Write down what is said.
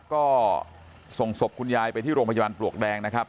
ก็ส่งศพคุณยายไปที่โรงพยาบาลปลวกแดงนะครับ